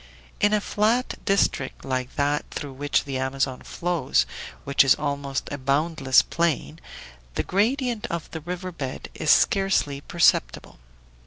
In a flat district like that through which the Amazon flows, which is almost a boundless plain, the gradient of the river bed is scarcely perceptible.